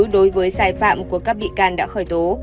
đối với sai phạm của các bị can đã khởi tố